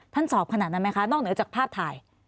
สอบขนาดนั้นไหมคะนอกเหนือจากภาพถ่าย